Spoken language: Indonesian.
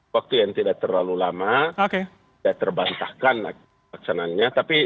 waktu yang tidak terlalu lama sudah terbantahkan laksananya